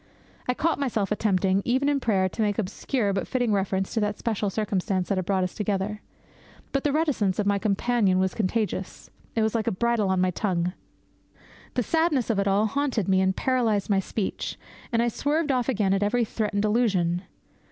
I caught myself attempting, even in prayer, to make obscure but fitting reference to the special circumstances that had brought us together. But the reticence of my companion was contagious. It was like a bridle on my tongue. The sadness of it all haunted me, and paralysed my speech; and I swerved off again at every threatened allusion.